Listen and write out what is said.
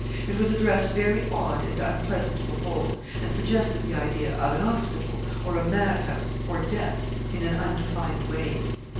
It was a dress very odd and unpleasant to behold, and suggested the idea of an hospital, or a madhouse, or death, in an undefined way.